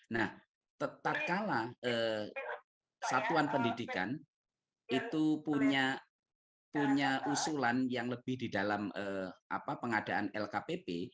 nah tetapkala satuan pendidikan itu punya usulan yang lebih di dalam pengadaan lkpp